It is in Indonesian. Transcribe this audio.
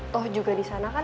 toh juga di sana kan